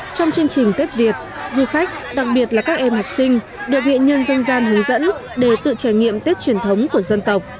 trong chương trình tết việt du khách đặc biệt là các em học sinh được nghệ nhân danh gian hướng dẫn để tự trải nghiệm tết truyền thống của dân tộc